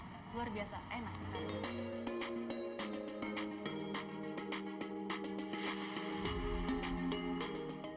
luar biasa enak